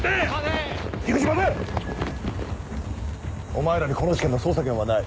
お前らにこの事件の捜査権はない。